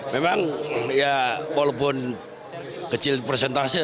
memang ya walaupun kecil presentasinya